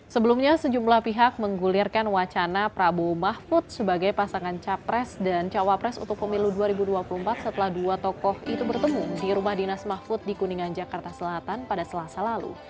sebelumnya sejumlah pihak menggulirkan wacana prabowo mahfud sebagai pasangan capres dan cawapres untuk pemilu dua ribu dua puluh empat setelah dua tokoh itu bertemu di rumah dinas mahfud di kuningan jakarta selatan pada selasa lalu